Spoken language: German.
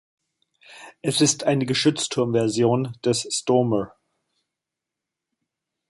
Es ist eine Geschützturm-Version des Stormer.